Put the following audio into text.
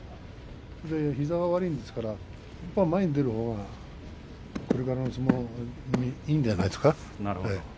膝が悪いですから前に出るほうがこれからの相撲にいいんじゃないですか。